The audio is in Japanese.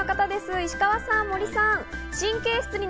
石川さん、森さん。